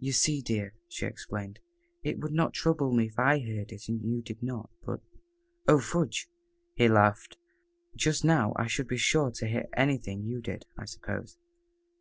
"You see, dear," she explained, "it would not trouble me if I heard it and you did not but " "Oh, fudge!" he laughed. "Just now I should be sure to hear anything you did, I suppose."